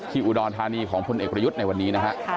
ที่อุดรธานีของอเอกยุทธ์ในวันนี้